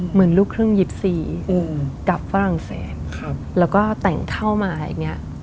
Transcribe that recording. เหมือนลูกครึ่งยิปซีกับฝรั่งเศสครับแล้วก็แต่งเข้ามาอย่างเงี้ย